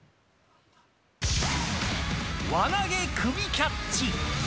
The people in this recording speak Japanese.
輪投げ首キャッチ。